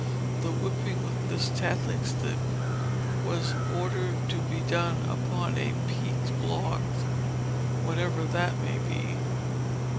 The whipping with this tattling stick was ordered to be done upon "a peaked block" whatever that may be.